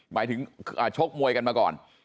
หมายถึงชกมวยกันมาก่อน